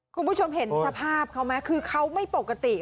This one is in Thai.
คุณผู้ชมเห็นสภาพเขาไหมคือเขาไม่ปกติ